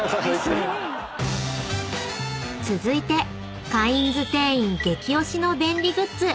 ［続いてカインズ店員激オシの便利グッズ